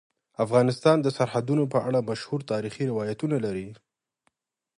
افغانستان د سرحدونه په اړه مشهور تاریخی روایتونه لري.